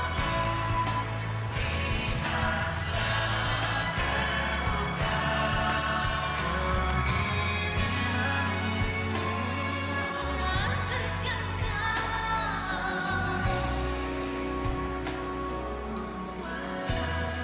mewakili panglima angkatan bersenjata singapura